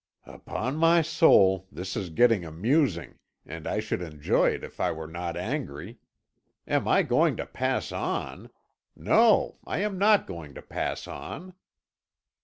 "Upon my soul this is getting amusing, and I should enjoy it if I were not angry. Am I going to pass on? No, I am not going to pass on."